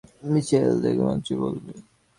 Missile দেখামাত্রই বলবে।